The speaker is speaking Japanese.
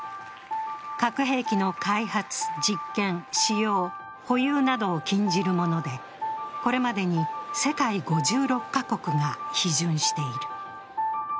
核兵器の開発、実験、使用、保有などを禁じるものでこれまでに世界５６カ国が批准している。